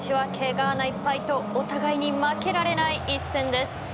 ガーナ１敗とお互いに負けられない一戦です。